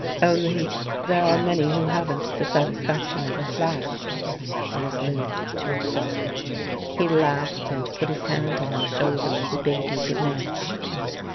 "Only there are many who haven't the satisfaction of a flash," I was moved to reply. He laughed and put his hand on my shoulder as he bade me good night.